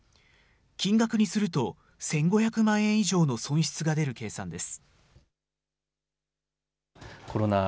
金額にすると１５００万円以上の損失が出る計算です。